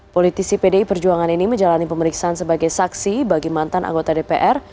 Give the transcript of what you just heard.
politisi pdi perjuangan ini menjalani pemeriksaan sebagai saksi bagi mantan anggota dpr